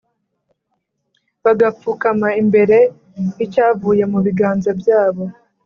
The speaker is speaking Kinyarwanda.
bagapfukama imbere y’icyavuye mu biganza byabo,